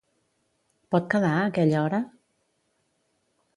Pot quedar a aquella hora?